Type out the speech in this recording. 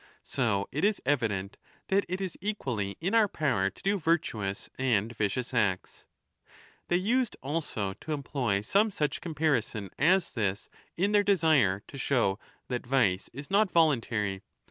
So it is evident that it is equally in our power to do virtuous and vicious acts. They used also to employ some such comparison as this in their desire to show that vice is not voluntary.